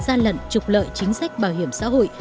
gian lận trục lợi chính sách bảo hiểm xã hội